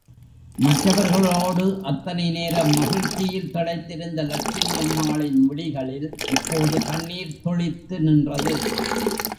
மற்றவர்களோடு அத்தனை நேரம் மகிழ்ச்சியில் திளைத்திருந்த லட்சுமி அம்மாளின் விழிகளில் இப்போது கண்ணீர் துளிர்த்து நின்றது.